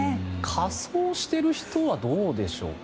仮装している人はどうでしょう。